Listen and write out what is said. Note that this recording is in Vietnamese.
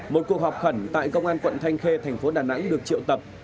một cuộc họp khẩn tại công an quận thanh khê thành phố đà nẵng được triệu tập